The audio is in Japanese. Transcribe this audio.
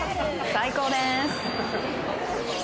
最高です！